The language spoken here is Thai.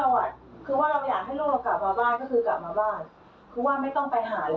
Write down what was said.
ขัตรช่าว่าเราอยากให้โลกกลับมาบ้างก็คือกลับมาบ้าง